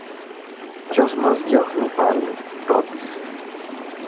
Ποιος μας διώχνει πάλι; ρώτησε.